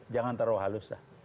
jangan taruh halus lah